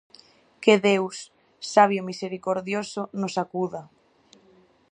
Que Deus, sabio e misericordioso, nos acuda!